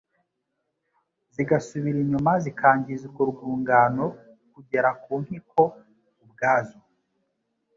zigasubira inyuma zikangiza urwo rwungano kugera ku mpyiko ubwazo.